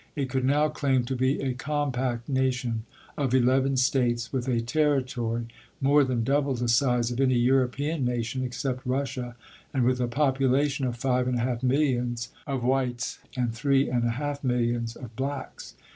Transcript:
It could now claim to be a compact nation of eleven States, with a territory more than double the size of any Euro pean nation except Russia, and with a population of five and a half millions of whites and three and a half millions of blacks.